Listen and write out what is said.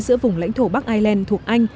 giữa vùng lãnh thổ bắc ireland thuộc anh